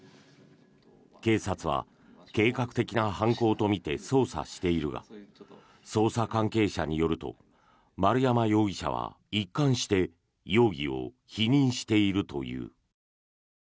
警察は、計画的な犯行と見て捜査しているが捜査関係者によると丸山容疑者は一貫して容疑を否認しているという。